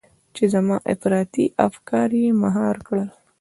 چې زما افراطي افکار يې مهار کړل.